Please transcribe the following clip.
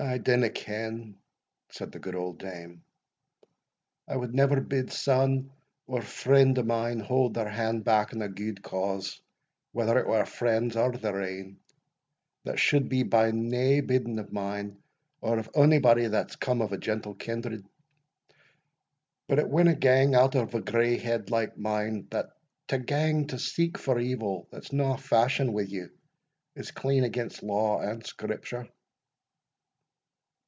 "I dinna ken," said the good old dame; "I wad never bid son or friend o' mine haud their hand back in a gude cause, whether it were a friend's or their ain that should be by nae bidding of mine, or of ony body that's come of a gentle kindred But it winna gang out of a grey head like mine, that to gang to seek for evil that's no fashing wi' you, is clean against law and Scripture."